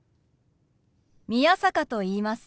宮坂と言います。